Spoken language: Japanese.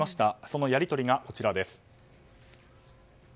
そのやり取りがこちらです。